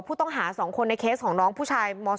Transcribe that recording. ผู้ต้องหา๒คนในเคสของน้องผู้ชายม๒